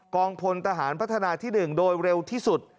พลทหารพัฒนาที่๑โดยเร็วที่สุด